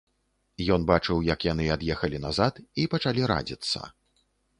Ён бачыў, як яны ад'ехалі назад і пачалі радзіцца.